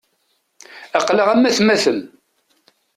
Aql-aɣ am atmaten.